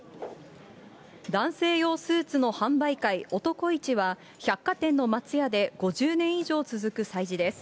男性用スーツの販売会、男市は、百貨店の松屋で５０年以上続く催事です。